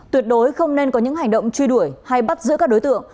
tuyệt đối không nên có những hành động truy đuổi hay bắt giữ các đối tượng